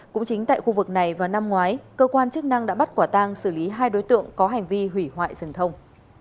cũng chính tại khu vực này vào năm ngoái cơ quan chức năng đã bắt quả tang xử lý hai đối tượng có hành vi hủy hoại rừng thông